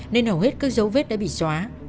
nên hầu hết các dấu vết đã bị xóa